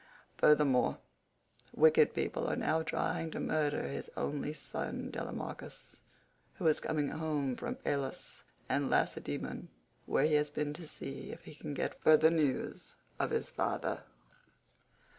Furthermore, wicked people are now trying to murder his only son Telemachus, who is coming home from Pylos and Lacedaemon, where he has been to see if he can get news of his father."